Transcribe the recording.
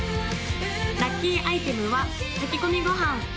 ・ラッキーアイテムは炊き込みご飯